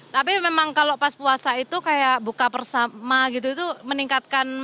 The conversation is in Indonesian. tapi memang kalau pas puasa itu kayak buka bersama gitu itu meningkatkan